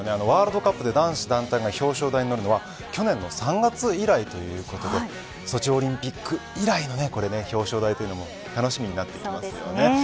ワールドカップで男子団体が表彰台にのるのは去年の３月以来ということでソチオリンピック以来の表彰台というのも楽しみになってきますよね。